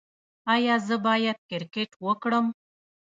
ایا زه باید کرکټ وکړم؟